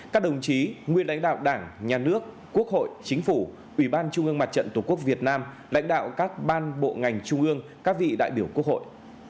các đồng chí nguyên lãnh đạo đảng nhà nước quốc hội chính phủ ủy ban trung ương mặt trận tổ quốc việt nam lãnh đạo các ban bộ ngành trung ương các vị đại biểu quốc hội